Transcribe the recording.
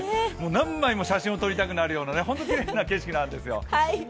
何枚も写真を撮りたくなるようなホントきれいな景色なんですよ。